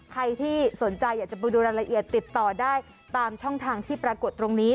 ใครที่สนใจอยากจะไปดูรายละเอียดติดต่อได้ตามช่องทางที่ปรากฏตรงนี้